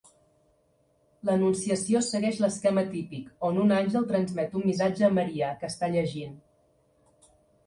L'Anunciació segueix l'esquema típic, on un àngel transmet un missatge a Maria, que està llegint.